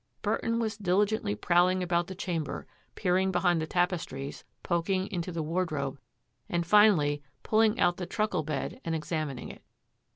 Burton was diligently prowling about the chamber, peering behind the tapestries, poking into the wardrobe, and finally pulling out the truckle bed and examining it.